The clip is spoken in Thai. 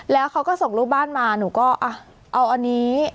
แล้วเขาก็ส่งรูปบ้านมาหนูก็เอาอันนี้